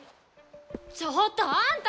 ちょっとあんた！